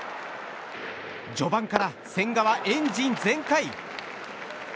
序盤から千賀はエンジン全開。